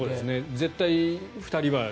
絶対に２人は。